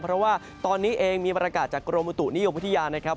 เพราะว่าตอนนี้เองมีบรรยากาศจากกรมอุตุนิยมวิทยานะครับ